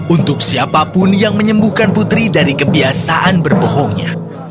untuk siapapun yang menyembuhkan putri dari kebiasaan berbohongnya